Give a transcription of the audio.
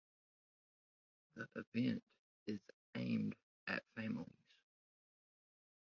The event is aimed at families.